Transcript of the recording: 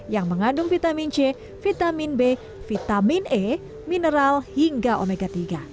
yang mengandung vitamin c vitamin b vitamin e mineral hingga omega tiga